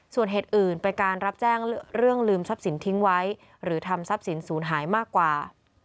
ส่วนเหตุอื่นเป็นการรับแจ้งเรื่องลืมทรัพย์สินทิ้งไว้หรือทำทรัพย์สินศูนย์หายมากกว่า